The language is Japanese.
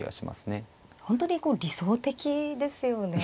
本当にこう理想的ですよね。